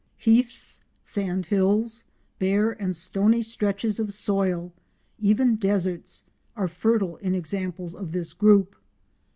Heaths, sandhills, bare and stony stretches of soil, even deserts, are fertile in examples of this group.